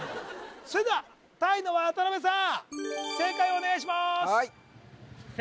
それではタイの渡辺さん正解をお願いします